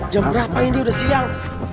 jam berapa ini udah siang